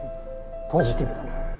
ポジティブだな。